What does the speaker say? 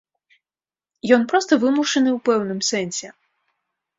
Ён проста вымушаны ў пэўным сэнсе.